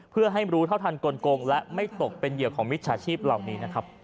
เพื่อให้รู้เท่าทันกลงและไม่ตกเป็นเหยื่อของมิจฉาชีพเหล่านี้นะครับ